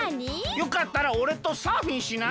よかったらおれとサーフィンしない？